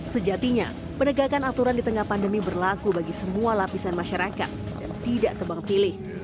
sejatinya penegakan aturan di tengah pandemi berlaku bagi semua lapisan masyarakat dan tidak tebang pilih